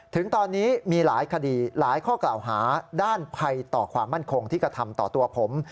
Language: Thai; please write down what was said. ถึงตอนนี้มีหลายคดีหลายข้อกล่าวหาด้านภัยต่อความมั่นคงที่กระทำต่อตัวผม